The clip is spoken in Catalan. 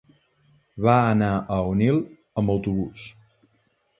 Va anar a Onil amb autobús.